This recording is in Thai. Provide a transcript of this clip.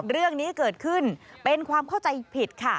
เรื่องนี้เกิดขึ้นเป็นความเข้าใจผิดค่ะ